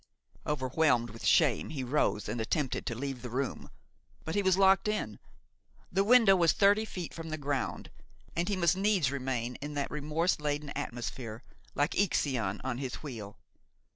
Overwhelmed with shame, he rose and attempted to leave the room, but he was locked in; the window was thirty feet from the ground, and he must needs remain in that remorse laden atmosphere, like Ixion on his wheel.